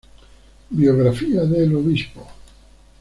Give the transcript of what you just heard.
Biografía del Obispo